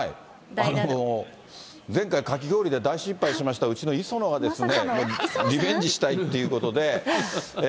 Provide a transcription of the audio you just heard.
前回、かき氷で大失敗しました、うちの磯野がリベンジしたいということで。